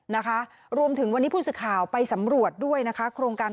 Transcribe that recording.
นะคะรวมถึงวันนี้ผู้สื่อข่าวไปสำรวจด้วยนะคะโครงการ